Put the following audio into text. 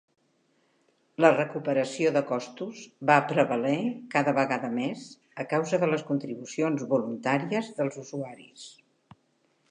La recuperació de costos va prevaler cada vegada més a causa de les contribucions "voluntàries" dels usuaris.